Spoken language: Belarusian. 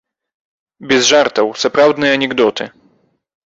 Без жартаў, сапраўдныя анекдоты.